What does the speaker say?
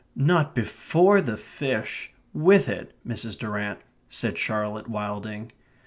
"Not BEFORE the fish with it, Mrs. Durrant," said Charlotte Wilding.